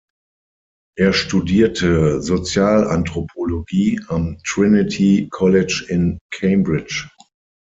Er studierte Sozialanthropologie am Trinity College in Cambridge.